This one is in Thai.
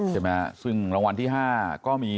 ใช่มั้ยครับซึ่งรางวัลที่๕ก็มี